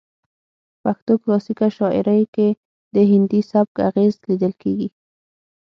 پښتو کلاسیکه شاعرۍ کې د هندي سبک اغیز لیدل کیږي